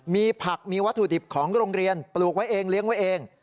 มีผักมีวัตถุดิบของโรงเรียนปลูกไว้เองเลี้ยงไว้เอง